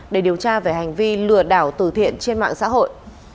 để điều tra về hành vi lừa đảo từ thiện trên mạng xã hội